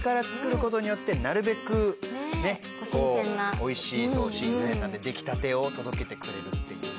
美味しいそう新鮮な。で出来たてを届けてくれるっていうね。